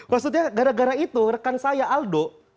maksudnya gara gara itu rekan saya aldo